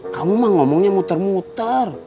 kamu mah ngomongnya muter muter